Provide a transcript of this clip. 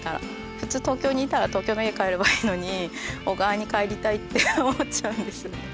普通東京にいたら東京の家帰ればいいのに小川に帰りたいって思っちゃうんですね。